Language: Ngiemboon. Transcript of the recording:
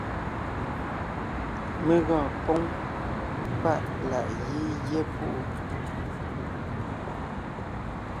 Mé gɔɔn póŋ páʼ láʼ gí gyɛ́ púʼu.